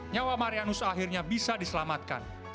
nyawa marianus akhirnya bisa diselamatkan